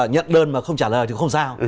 nhất đơn mà không trả lời thì không sao